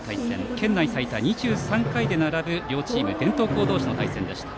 県内最多２３回で並ぶ両チーム伝統校同士の戦いでした。